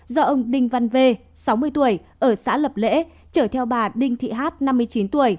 do ông đinh văn v sáu mươi tuổi ở xã lập lễ chở theo bà đinh thị hát năm mươi chín tuổi